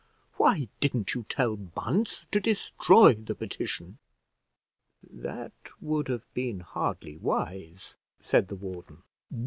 Why didn't you tell Bunce to destroy the petition?" "That would have been hardly wise," said the warden.